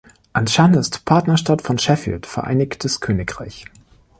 Anshan ist Partnerstadt von Sheffield, Vereinigtes Königreich.